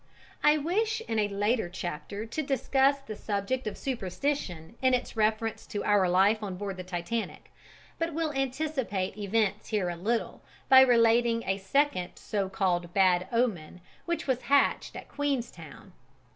I wish in a later chapter to discuss the subject of superstition in its reference to our life on board the Titanic, but will anticipate events here a little by relating a second so called "bad omen" which was hatched at Queenstown.